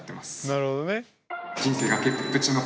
なるほどね。